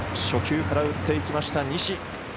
初球から打っていきました、西。